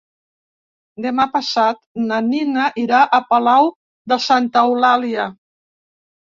Demà passat na Nina irà a Palau de Santa Eulàlia.